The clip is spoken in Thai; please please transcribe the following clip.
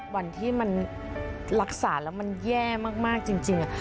วันที่มันรักษาแล้วมันแย่มากจริง